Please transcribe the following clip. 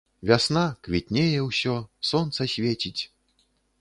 Вясна, квітнее ўсё, сонца свеціць.